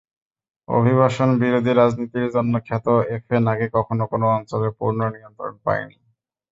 অভিবাসনবিরোধী রাজনীতির জন্য খ্যাত এফএন আগে কখনো কোনো অঞ্চলের পূর্ণ নিয়ন্ত্রণ পায়নি।